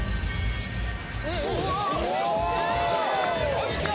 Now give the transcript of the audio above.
こんにちは！